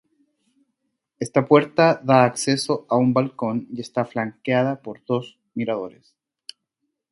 Esta puerta da acceso a un balcón y está flanqueada por dos miradores.